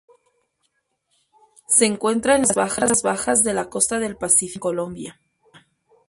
Se encuentra en las tierras bajas de la costa del Pacífico en Colombia.